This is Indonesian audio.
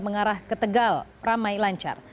mengarah ke tegal ramai lancar